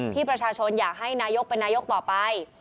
ที่ประชาชนอยากให้นายกเป็นนายกต่อไป